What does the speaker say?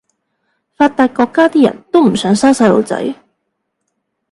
發達國家啲人都唔想生細路仔